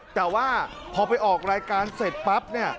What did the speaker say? แต่ว่าพอไปออกรายการเสร็จปั๊บเนี่ย